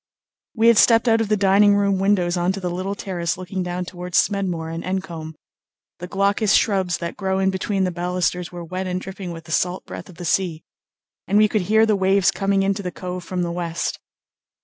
We had stepped out of the dining room windows on to the little terrace looking down towards Smedmore and Encombe. The glaucous shrubs that grow in between the balusters were wet and dripping with the salt breath of the sea, and we could hear the waves coming into the cove from the west.